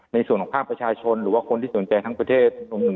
ในส่วนห้าม่ายชาชนหรือว่าคนที่สนใจทางประเทศ